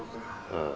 うん。